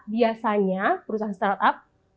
biasanya perusahaan startup